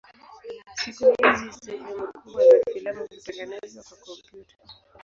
Siku hizi sehemu kubwa za filamu hutengenezwa kwa kompyuta.